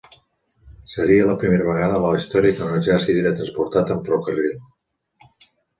Seria la primera vegada a la història que un exèrcit era transportat amb ferrocarril.